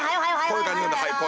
こういう感じで。